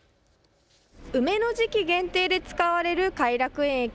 梅の時期限定で使われる偕楽園駅。